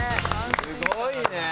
すごいね！